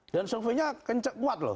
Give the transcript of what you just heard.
dan surveinya kuat loh